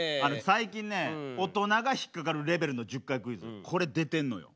最近ね大人が引っ掛かるレベルの１０回クイズこれ出てんのよ。